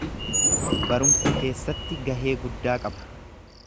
barumsa keessatti gahee guddaa qaba.